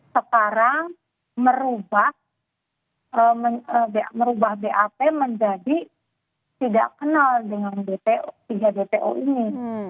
sekarang merubah bap menjadi tidak kenal dengan tiga dpo ini